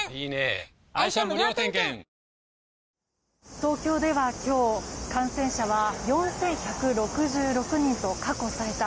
東京では、今日感染者は４１６６人と過去最多。